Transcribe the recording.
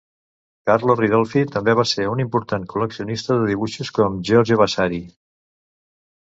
Carlo Ridolfi també va ser un important col·leccionista de dibuixos, com Giorgio Vasari.